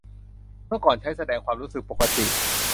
เมื่อก่อนใช้แสดงความรู้สึกปกติ